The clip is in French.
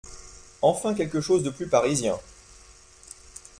Enfin quelque chose de plus parisien…